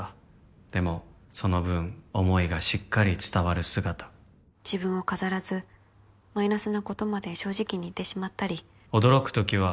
「でもその分思いがしっかり伝わる姿」「自分を飾らずマイナスなことまで正直に言ってしまったり」「驚く時は」